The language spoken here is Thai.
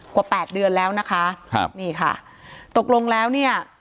แปดเดือนแล้วนะคะครับนี่ค่ะตกลงแล้วเนี่ย